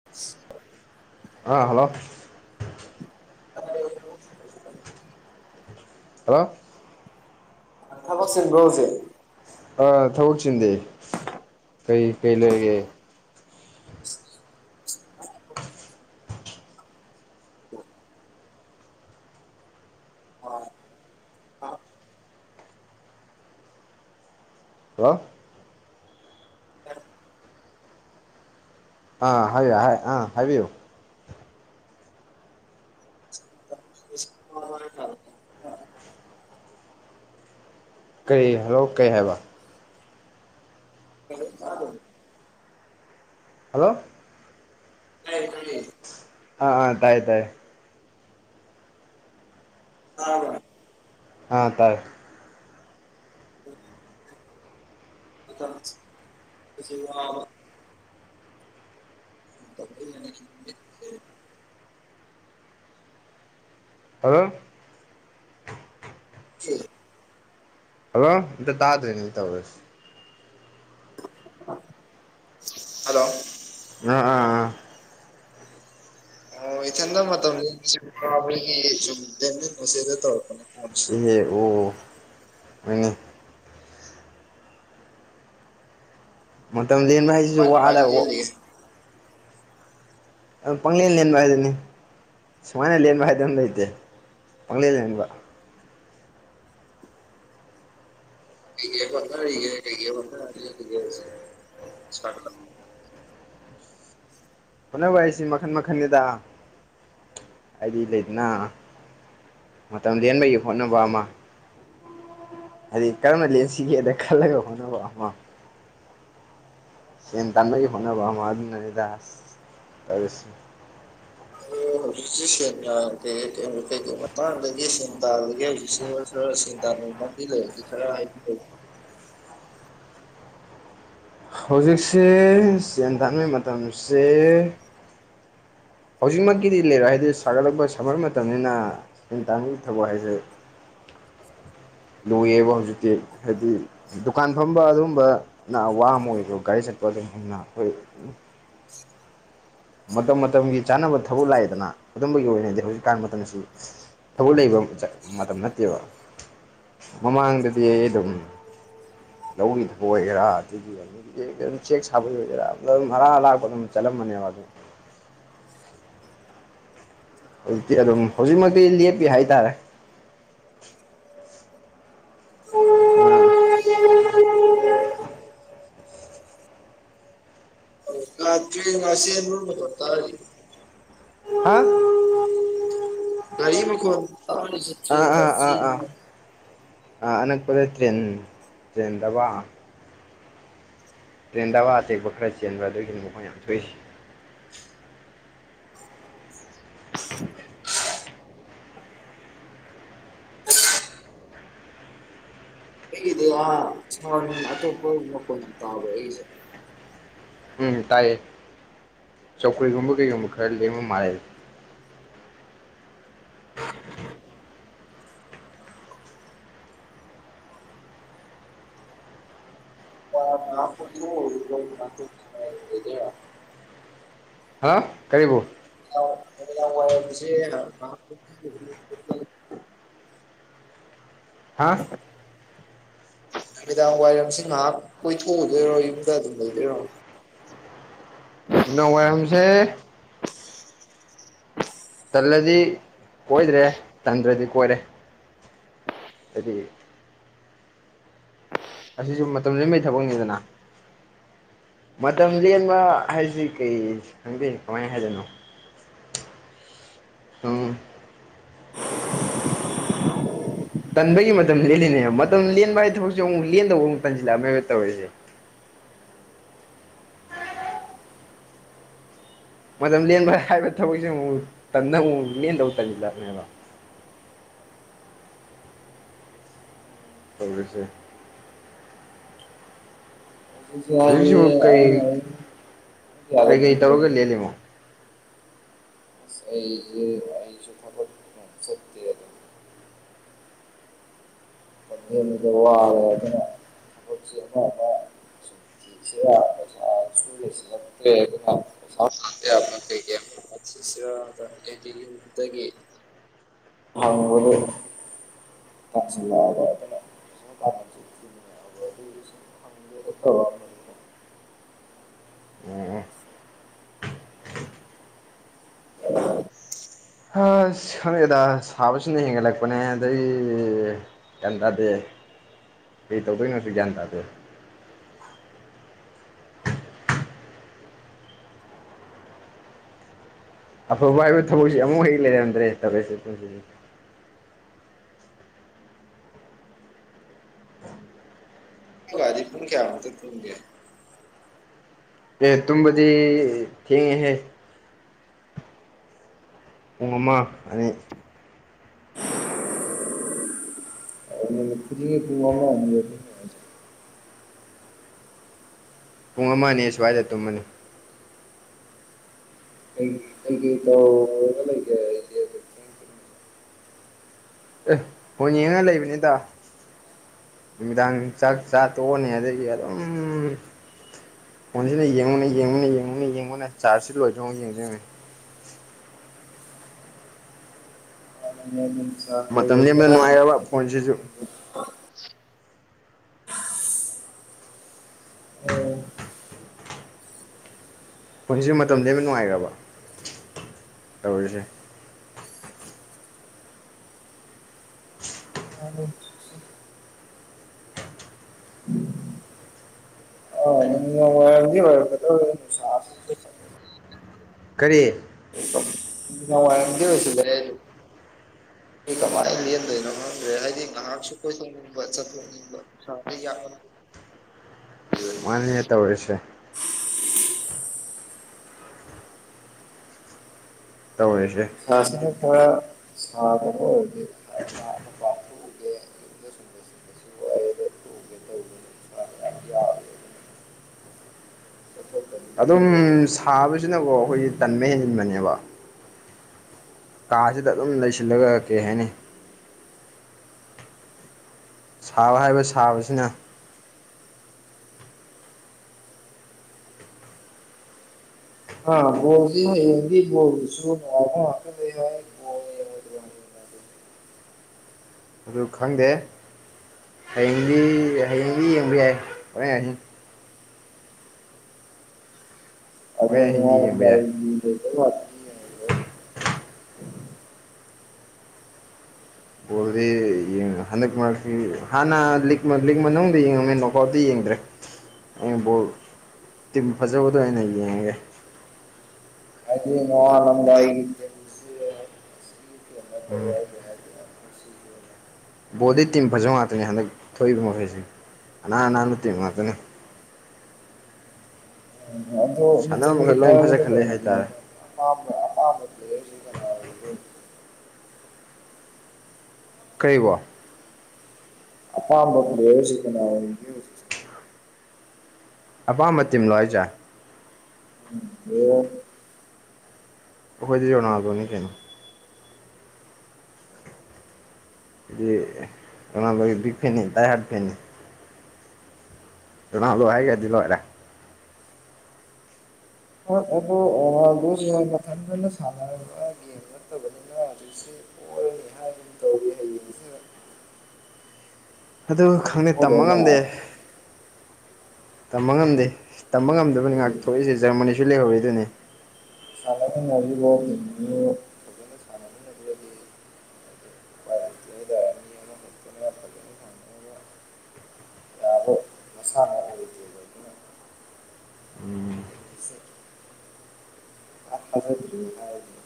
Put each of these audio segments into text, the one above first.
[inaudible] ꯑꯥ hello [unintelligible] hello ꯊꯕꯛ ꯆꯤꯟꯕꯔꯣ ꯍꯧꯖꯤꯛ ꯑꯥ ꯊꯕꯛ ꯆꯤꯟꯗꯦ ꯀꯩ ꯀꯩ ꯂꯩꯔꯒꯦ ꯍꯜꯂꯣ ꯑꯥ ꯍꯥꯏ [unintelligible] ꯑ ꯍꯥꯏꯕꯤꯌꯨ [unintelligible] ꯀꯔꯤ ꯍꯜꯂꯣ ꯀꯩ ꯍꯥꯏꯕ ꯍꯜꯂꯣ ꯇꯥꯗ꯭ꯔꯣ ꯍꯜꯂꯣ ꯇꯥꯏꯌꯦ ꯇꯥꯏꯌꯦ ꯑ ꯑ ꯇꯥꯏ ꯇꯥꯏ ꯇꯥꯕ꯭ꯔ ꯑ ꯇꯥꯔꯦ [unintelligible] ꯈꯨꯁꯦ ꯋꯥꯕ ꯑꯗꯨꯅꯅꯦ ꯃꯤꯠ [unintelligible] ꯍꯜꯂꯣ ꯍꯜꯂꯣ ꯑꯝꯇ ꯇꯥꯗ꯭ꯔꯦꯅꯦ ꯇꯧ [unintelligible] ꯍꯜꯂꯣ ꯑ ꯑ ꯑꯥ ꯑꯣ ꯏꯊꯟꯗ ꯃꯇꯝ ꯂꯦꯟꯕꯖꯦ ꯋꯥꯕꯒꯤ ꯁꯨꯝ ꯗꯦꯟ ꯃꯤꯟ ꯑꯁꯤꯅ ꯇꯧꯔꯛꯄꯅꯦ ꯏꯍꯦ ꯑꯣ [unintelligible] ꯃꯇꯝ ꯂꯦꯟꯕ ꯍꯩ ꯀꯃꯥꯏ ꯀꯃꯥꯏ ꯂꯦꯜꯂꯤꯒꯦ ꯑꯗꯨꯝ ꯄꯪꯂꯦꯟ ꯂꯦꯟꯕ ꯍꯥꯏꯗꯨꯅꯤ ꯁꯨꯃꯥꯏꯅ ꯂꯦꯟꯕ ꯍꯥꯏꯗꯅ ꯂꯩꯇꯦ ꯄꯪꯂꯦꯟ ꯂꯦꯟꯕ ꯀꯩ ꯀꯩ ꯍꯣꯠꯅꯔꯤꯒꯦ ꯀꯩ ꯀꯩ ꯍꯣꯠꯅꯔ ꯂꯦꯜꯂꯤꯒꯦ ꯍꯨꯖꯤꯛ [unintelligible] ꯍꯣꯠꯅꯕ ꯍꯥꯏꯁꯤ ꯃꯈꯟ ꯃꯈꯟꯅꯤꯗ ꯍꯥꯏꯗꯤ ꯂꯩꯗꯅ ꯃꯇꯝ ꯂꯦꯟꯕꯒꯤ ꯍꯣꯠꯅꯕ ꯑꯃ ꯍꯥꯏꯗꯤ ꯀꯔꯝꯅ ꯂꯦꯟꯁꯤꯒꯦꯅ ꯈꯜꯂꯒ ꯍꯣꯠꯅꯕ ꯑꯃ ꯁꯦꯟ ꯇꯥꯟꯕꯒꯤ ꯍꯣꯠꯅꯕ ꯑꯃ ꯑꯗꯨꯅꯅꯤꯗ ꯇꯧꯔꯤꯁꯦ [unintelligible] ꯍꯧꯖꯤꯛ ꯁꯦꯡꯅ ꯀꯩ ꯀꯩ ꯃꯇꯥꯡꯗꯒꯤ ꯁꯦꯜ ꯇꯥꯜꯂꯤꯒꯦ [unintelligible] ꯈꯔ ꯁꯤꯟ ꯇꯥꯟꯕ ꯂꯥꯝꯕꯤ ꯂꯩꯔꯗꯤ ꯈꯔ ꯍꯥꯏꯕꯤꯌꯣ ꯍꯧꯖꯤꯛꯁꯦ ꯁꯦꯟ ꯇꯥꯟꯕꯩ ꯃꯇꯝꯁꯦ ꯍꯧꯖꯤꯛꯃꯛꯀꯤꯗꯤ ꯂꯩꯔꯣꯏ ꯍꯥꯏꯗꯤ ꯁꯥꯒꯠꯂꯛꯄ ꯁꯝꯃꯔ ꯃꯇꯝꯅꯤꯅ ꯁꯦꯟ ꯇꯥꯟꯕꯒꯤ ꯊꯕꯛ ꯍꯥꯏꯁꯦ [inaudible] ꯂꯨꯏꯌꯦꯕ ꯍꯧꯖꯤꯛꯇꯤ ꯍꯥꯏꯗꯤ ꯗꯨꯀꯥꯟ ꯐꯝꯕ ꯑꯗꯨꯒꯝꯕꯅ ꯋꯥ ꯑꯃ ꯑꯣꯏꯒꯔꯣ ꯒꯥꯔꯤ ꯆꯠꯄ ꯑꯗꯨꯝꯅ ꯑꯩꯈꯣꯏ ꯃꯇꯝ ꯃꯇꯝꯒꯤ ꯆꯥꯅꯕ ꯊꯕꯛ ꯂꯥꯛꯏꯗꯅ ꯑꯗꯨꯝꯕꯒꯤ ꯑꯣꯏꯅꯗꯤ ꯍꯧꯖꯤꯛꯀꯥꯟ ꯃꯇꯝꯑꯁꯤ ꯊꯕꯛ ꯂꯩꯕ ꯃꯇꯝ ꯅꯠꯇꯦꯕ ꯃꯃꯥꯡꯗꯗꯤ ꯑꯩ ꯑꯗꯨꯝ ꯂꯧꯒꯤ ꯊꯕꯛ ꯑꯣꯏꯒꯦꯔꯥ ꯑꯗꯒꯤ ꯗꯒꯤ ꯑꯗꯨꯝ ꯆꯦꯛ ꯁꯥꯕꯒꯤ ꯑꯣꯏꯒꯦꯔꯥ ꯑꯗꯨꯝ ꯑꯔꯥꯛ ꯑꯂꯥꯛꯄ ꯂꯥꯛꯄꯗ ꯑꯗꯨꯝ ꯆꯠꯂꯝꯕꯅꯦꯕ ꯑꯗꯨꯝ ꯍꯧꯖꯤꯛꯇꯤ ꯑꯗꯨꯝ ꯍꯧꯖꯤꯛꯃꯛꯇꯤ ꯂꯦꯞꯄꯤ ꯍꯥꯏꯇꯥꯔꯦ [unintelligible] [unintelligible] ꯍꯥ ꯒꯥꯔꯤ ꯃꯈꯣꯟ ꯇꯥꯔꯤꯁꯦ ꯑꯥ ꯑꯥ ꯑꯥ ꯑꯥ ꯑꯥ ꯑꯅꯛꯄꯗ ꯇ꯭ꯔꯦꯟ ꯇ꯭ꯔꯦꯟꯗꯕ ꯇ꯭ꯔꯦꯟ ꯗꯕ ꯑꯇꯦꯛꯄ ꯈꯔ ꯆꯦꯟꯕ ꯑꯗꯨꯒꯤꯗꯤ ꯃꯈꯣꯟ ꯌꯥꯝ ꯊꯣꯛꯏꯁꯦ ꯑꯩꯒꯤꯗꯤ ꯍꯥ ꯅ ꯑꯇꯣꯞꯄ ꯃꯈꯣꯟ ꯌꯥꯝ ꯇꯥꯕꯔꯣꯑꯩꯁꯦ ꯎꯝ ꯇꯥꯏꯌꯦ ꯆꯧꯀ꯭ꯔꯤꯒꯨꯝꯕ ꯀꯩꯒꯨꯝꯕ ꯈꯔ ꯂꯦꯡꯕ ꯃꯥꯜꯂꯦ [inaudible] ꯍꯥ ꯀꯔꯤꯕꯨ [unintelligible] ꯍꯥꯥ ꯅꯨꯃꯤꯗꯥꯡ ꯋꯥꯏꯔꯝꯁꯤ ꯉꯥꯏꯍꯥꯛ ꯀꯣꯏꯊꯣꯛꯎꯗꯣꯏꯔꯣ ꯌꯨꯝꯗ ꯑꯗꯨꯝ ꯂꯩꯗꯣꯏꯔꯣ ꯅꯨꯡꯗꯥꯡ ꯋꯥꯏꯔꯝꯁꯦ ꯇꯜꯂꯗꯤ ꯀꯣꯏꯗ꯭ꯔꯦ ꯇꯟꯗ꯭ꯔꯗꯤ ꯀꯣꯏꯔꯦ ꯍꯥꯏꯗꯤ ꯑꯁꯤꯁꯨ ꯃꯇꯝ ꯂꯦꯟꯕꯩ ꯊꯕꯛꯅꯤꯗꯅ ꯃꯇꯝ ꯂꯦꯟꯕ ꯍꯥꯏꯁꯤ ꯀꯔꯤ ꯈꯪꯕꯤꯅꯣ ꯀꯃꯥꯏꯅ ꯍꯥꯏꯗꯣꯏꯅꯣ ꯎꯝ ꯇꯟꯕꯒꯤ ꯃꯇꯝ ꯂꯦꯜꯂꯤꯅꯦꯕ ꯃꯇꯝ ꯂꯦꯟꯕ ꯍꯥꯏ ꯊꯕꯛꯁꯦ ꯑꯃꯨꯛ ꯂꯦꯟꯗꯧꯕ ꯑꯃꯨꯛ ꯇꯟꯁꯤꯜꯂꯛꯑꯃꯦꯕ ꯇꯧꯔꯤꯁꯦ ꯃꯇꯝ ꯂꯦꯟꯕ ꯍꯥꯏꯕ ꯊꯕꯛꯁꯦ ꯑꯃꯨꯛ ꯇꯟꯗ ꯑꯃꯨꯛ ꯂꯦꯟꯗꯧ ꯇꯟꯁꯤꯟꯂꯛꯑꯕꯅꯦꯕ ꯇꯧꯔꯤꯁꯦ ꯍꯧꯖꯤꯛꯁꯤꯕꯨ ꯀꯩ ꯀꯩꯀꯩ [inaudible] [unintelligible] ꯑꯩꯒꯤ [inaudible] [unintelligible] [inaudible] ꯇꯥꯟꯁꯤꯟꯂꯛꯑꯕꯥ ꯑꯗꯨꯅ ꯑꯗꯨꯒꯤ ꯁꯨꯝ ꯍꯪꯒꯦꯅ ꯑ ꯈꯪꯗꯦꯗ ꯁꯥꯕꯁꯤꯅ ꯍꯦꯟꯒꯠꯂꯛꯄꯅꯦ ꯑꯗꯒꯤ ꯒ꯭ꯌꯥꯟ ꯇꯥꯗꯦ ꯀꯩ ꯇꯧꯗꯣꯏꯅꯣꯁꯨ ꯒ꯭ꯌꯥꯟ ꯇꯥꯗꯦ ꯑꯐꯕ ꯍꯥꯏꯕ ꯊꯕꯛꯁꯦ ꯑꯃꯨꯛ ꯍꯩ ꯂꯩꯔꯝꯗ꯭ꯔꯦ [unintelligible] [unintelligible] ꯄꯨꯡ ꯀꯌꯥꯃꯨꯛꯇ ꯇꯨꯝꯒꯦ ꯑꯦ ꯇꯨꯝꯕꯗꯤ ꯊꯦꯡꯉꯦꯍꯦ ꯄꯨꯡ ꯑꯃ ꯑꯅꯤ [unintelligible] ꯄꯨꯡ ꯑꯃ ꯑꯅꯤ ꯄꯨꯡ ꯑꯃ ꯑꯅꯤ ꯁ꯭ꯋꯥꯏꯗ ꯇꯨꯝꯃꯅꯤ ꯀꯩ ꯀꯩꯀꯩ ꯇꯧꯔꯒ ꯂꯩꯒꯦ ꯑꯦ ꯕꫭꯜ ꯌꯦꯡꯉꯒ ꯂꯩꯕꯅꯤꯗ ꯅꯨꯃꯤꯗꯥꯡ ꯆꯥꯛ ꯆꯥ ꯇꯣꯛꯑꯅꯤ ꯑꯗꯒꯤ ꯑꯗꯨꯝ ꯐꯣꯟꯖꯤꯅ ꯌꯦꯡꯉꯨꯅꯦ ꯌꯦꯡꯉꯨꯅꯦ ꯌꯦꯡꯉꯨꯅꯦ ꯆꯥꯔꯖꯁꯤ ꯂꯣꯏ [unintelligible] ꯌꯦꯡꯗꯣꯏꯃꯦ ꯎꯝ ꯃꯇꯝ ꯂꯦꯟꯕ ꯅꯨꯡꯉꯥꯏꯒ꯭ꯔꯕ ꯐꯣꯟꯖꯤꯖꯨ ꯍꯧꯖꯤꯛꯁꯦ ꯃꯇꯝ ꯂꯦꯟꯕ ꯅꯨꯡꯉꯥꯏꯔꯕ ꯇꯧꯔꯤꯁꯦ [unintelligible] [unintelligible] ꯀꯔꯤ [unintelligible] ꯅꯨꯃꯤꯗꯥꯡ ꯋꯥꯏꯔꯝ [unintelligible] [unintelligible] ꯀꯃꯥꯏ ꯂꯦꯟꯗꫭꯏꯅꯣ ꯈꯪꯗ꯭ꯔꯦ ꯍꯥꯏꯗꯤ ꯉꯍꯥꯛꯁꯨ ꯀꫭꯏꯊꫭꯛꯅꯤꯡꯕ ꯆꯠꯊꫭꯛꯅꯤꯡꯕ [unintelligible] ꯃꯥꯅꯤꯅꯦ ꯇꯧꯔꯤꯁꯦ ꯇꯧꯔꯤꯁꯦ ꯊꯥꯁꯤꯅ ꯈꯔ ꯁꯥꯕ ꯑꯣꯏꯔꯗꯤ ꯑꯗꯨꯝ ꯁꯥꯕꯁꯤꯅꯀꯣ ꯑꯈꯣꯏꯒꯤ ꯇꯟꯕ ꯍꯦꯟꯖꯤꯟꯕꯅꯦꯕ ꯀꯥꯖꯤꯗ ꯑꯗꯨꯝ ꯂꯩꯁꯤꯜꯂꯒ ꯀꯩ ꯍꯥꯏꯅꯤ ꯁꯥꯕ ꯍꯥꯏꯕ ꯁꯥꯕꯁꯤꯅ ꯑ ꯅꫭꯡ ꯆꯤꯡꯒꯤ ꯑꫭꯏꯅꯗꯤ [unintelligible] ꯑꯗꯨ ꯈꯪꯗꯦ ꯍꯌꯦꯡꯗꯤ ꯍꯌꯦꯡꯗꯤ ꯌꯦꯡꯕ ꯌꯥꯏ ꯍꫭꯔꯦꯟ ꯑꯍꯤꯡ ꯍꯣꯔꯦꯟ ꯑꯍꯤꯡꯗꯤ ꯌꯦꯡꯕ ꯌꯥꯏ [unintelligible] ꯕꯣꯜꯗꯤ [unintelligible] ꯍꯟꯗꯛ ꯃꯔꯛꯇꯤ ꯍꯥꯟꯅ ꯂꯤꯛ ꯂꯤꯛ ꯃꯅꯨꯡꯗ ꯌꯦꯡꯉꯝꯃꯤ ꯅꯣꯛꯑꯥꯎꯠꯇꯤ ꯌꯦꯡꯗ꯭ꯔꯦ ꯍꯌꯦꯡ ꯕꯣꯜ ꯇꯤꯝ ꯐꯖꯕꯗꯣ ꯑꫭꯏꯅ ꯌꯦꯡꯉꯒꯦ ꯑꯗꯨꯅ [unintelligible] ꯎꯝ ꯕꯣꯜꯗꯤ ꯇꯤꯝ ꯐꯖꯕ ꯉꯥꯛꯇꯅꯤ ꯍꯟꯗꯛ ꯊꯣꯛꯏꯕ ꯃꯈꯩꯁꯤ ꯑꯅꯥꯟ ꯑꯅꯥꯟꯕ ꯇꯤꯝ ꯉꯥꯛꯇꯅꯤ ꯑꯗꯨ ꯁꯥꯟꯅꯕ ꯃꯈꯩ [unintelligible] ꯂꯣꯏ ꯀꯔꯝꯕꯗ ꯐꯖꯈꯠꯂꯦ ꯂꯩꯒꯦ ꯍꯥꯏꯇꯥꯔꯦ ꯑꯄꯥꯝꯕ [unintelligible] ꯄ꯭ꯂꯦꯌꯔꯁꯨ ꯀꯅꯥ ꯑꯣꯏꯗꫭꯏꯅꫭ ꯀꯔꯤꯕꯣ ꯑꯄꯥꯝꯕ ꯄ꯭ꯂꯦꯌꯔꯖꯦ ꯀꯅꯥ ꯑꯣꯏꯒꯦꯕ ꯑꯄꯥꯝꯕ ꯇꯤꯝꯂꯣ ꯍꯥꯏꯖꯦ [unintelligible] ꯑꯈꯣꯏꯗꯤ [unintelligible] ꯀꯩꯅꯣ [unintelligible] ꯔꫭꯅꯥꯏꯗꫭꯒꯤ ꯕꯤꯛ ꯐꯦꯟꯅꯤ ꯗꯥꯏ ꯍꯥꯔꯠ ꯐꯦꯟꯅꯤ ꯔꫭꯅꯥꯜꯗꫭ ꯍꯥꯏꯒ꯭ꯔꯗꯤ ꯂꫭꯏꯔꯦ ꯑꯗꫭ ꯑ ꯕꫭꯜꯁꯦ [unintelligible] ꯃꯊꯟꯗꯅ ꯁꯥꯟꯅꯔꯒꯕ ꯒꯦꯝ ꯅꯠꯇꯕꯅꯤꯅ ꯍꯨꯖꯤꯛꯁꯦ ꯄꫭꯔꯅꯤ ꯍꯥꯏꯒꯨꯝ ꯇꯧꯔꯤ ꯍꯌꯦꯡ ꯑꯗꯨ ꯈꯪꯗꯦ ꯇꯝꯕ ꯉꯝꯗꯦ ꯇꯝꯕ ꯉꯝꯗꯦ ꯇꯝꯕ ꯉꯝꯗꯕꯅꯤ ꯉꯥꯏꯍꯥꯛ ꯊꯣꯛꯏꯁꯦ ꯖꯥꯔꯃꯅꯤꯁꯨ ꯂꯩꯍꯧꯔꯤꯗꯨꯅꯤ ꯐꯕꯤꯔꯤꯕꯣ [unintelligible] [inaudible] ꯐꯖꯅ ꯁꯥꯟꯅꯃꯤꯟꯅꯗ꯭ꯔꯗꯤ [unintelligible] ꯃꯤ ꯑꯃꯈꯛꯇꯅ ꯐꯖꯅ ꯁꯥꯟꯅꯅꯕ ꯌꯥꯕ ꯃꯁꯥꯟꯅ ꯑꯣꯏꯗꯦꯕ ꯑꯗꯨꯅ ꯑꯩ [unintelligible] [unintelligible] [unintelligible] [unintelligible]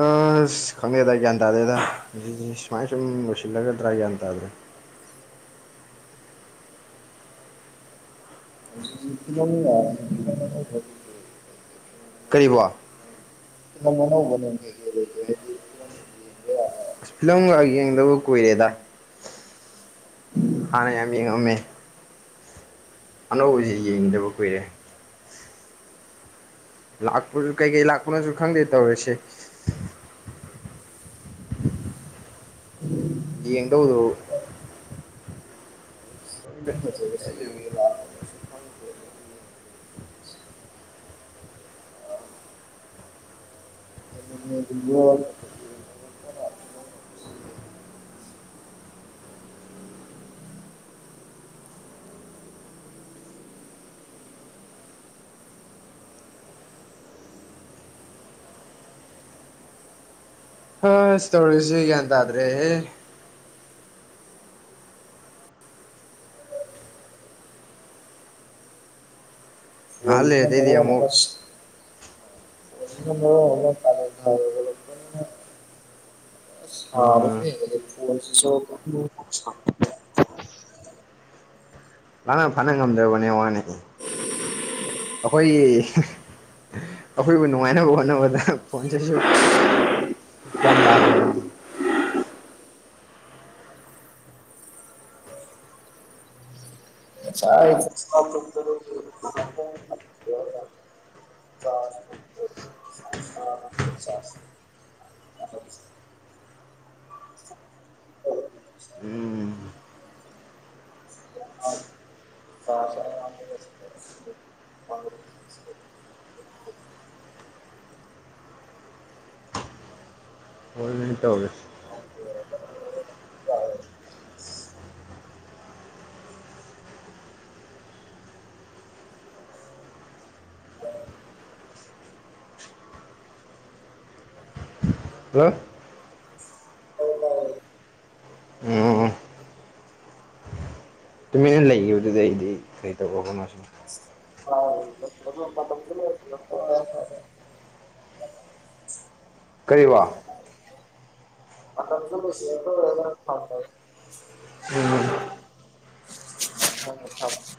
ꯑꯁ ꯈꯪꯗꯦꯗ ꯒ꯭ꯌꯥꯟ ꯇꯥꯗꯦꯗ ꯄꯨꯟꯁꯤꯁꯦ ꯁꯨꯃꯥꯏꯅ ꯁꯨꯝ ꯂꯣꯏꯁꯤꯜꯂꯒꯗ꯭ꯔꯥ ꯒ꯭ꯌꯥꯟ ꯇꯥꯗ꯭ꯔꯦ ꯤꯂꯣꯡꯅꯨꯡ [unintelligible] [unintelligible] ꯀꯔꯤꯕꯣ ꯐꯤꯂꯝ ꯑꯅꯧ ꯀꯩ ꯀꯩ ꯂꯩꯒꯦ ꯑꯁ ꯐꯤꯂꯝꯒ ꯌꯦꯡꯗꯕ ꯀꯨꯏꯔꯦꯗ ꯍꯟꯅ ꯌꯥꯝ ꯌꯦꯡꯉꯝꯃꯦ ꯑꯅꯧꯕꯁꯤ ꯌꯦꯡꯒꯤꯗꯕ ꯀꯨꯏꯔꯦ ꯂꯥꯛꯄꯁꯨ ꯀꯩꯀꯩ ꯂꯥꯛꯄꯅꯣꯁꯨ ꯈꯪꯗꯦ ꯇꯧꯔꯤꯁꯦ ꯌꯦꯡꯗꯧꯗꯨ ꯈꯪꯗꯦ ꯐ ꯁꯤ [unintelligible] [inaudible] ꯎ [inaudible] ꯍꯥꯁ ꯇꯧꯔꯤꯁꯤ ꯒ꯭ꯌꯥꯟ ꯇꯥꯗ꯭ꯔꯦꯍꯦ ꯉꯍꯥꯛ ꯋꯥꯅ ꯃ ꯂꯩꯔꯗꯩꯗꯤ ꯃ ꯑꯃꯨꯛ [inaudible] [inaudible] ꯄꯥ ꯊ [inaudible] [inaudible] [inaudible] ꯐꯣ ꯎꯝ [inaudible] [inaudible] [inaudible] [inaudible] ꯂꯥꯅ ꯐꯥꯅ ꯉꯝꯗ꯭ꯔꯕꯅꯦ ꯋꯥꯅꯦ ꯑꯩꯈꯣꯏꯒꯤ ꯑꯩꯈꯣꯏꯕꯨ ꯅꯨꯡꯉꯥꯏꯅꯕ ꯍꯣꯠꯅꯕꯗ ꯐꯣꯟꯁꯤꯁꯨ ꯒ꯭ꯌꯥꯟ ꯇꯥꯗ꯭ꯔꯥꯕꯅꯤ [unintelligible] ꯆ [inaudible] ꯑ [inaudible] ꯑꯆꯥ [inaudible] ꯑꯣꯏ [inaudible] ꯎꯝ [unintelligible] [inaudible] [unintelligible] ꯇꯧꯔꯁꯤ ꯍꯜꯂꯣ ꯎꯝ ꯇꯨꯃꯤꯟꯅ ꯂꯩꯌꯦ ꯂꯩꯈꯤꯕꯗꯨꯗ ꯑꯩꯗꯤ ꯀꯩꯗꯧꯔꯕꯅꯣ [unintelligible] ꯍ [unintelligible] [unintelligible] [unintelligible] [inaudible] ꯀꯔꯤꯕꯣ ꯑꯁꯨ ꯊ [unintelligible] [unintelligible] [unintelligible] ꯎꯝ ꯍ ꯊ [unintelligible] [inaudible]